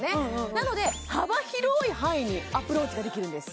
なので幅広い範囲にアプローチができるんです